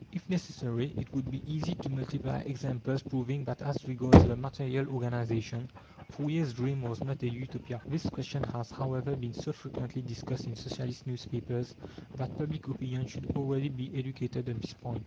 If necessary, it would be easy to multiply examples proving that as regards the material organization Fourier's dream was not a Utopia. This question has, however, been so frequently discussed in Socialist newspapers that public opinion should already be educated on this point.